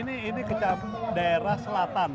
ini ke daerah selatan